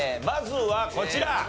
まずはこちら。